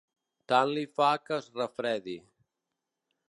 Tant li fa que es refredi.